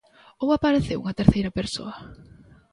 Ou apareceu unha terceira persoa?